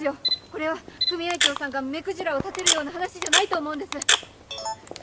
これは組合長さんが目くじらを立てるような話じゃないと思うんです。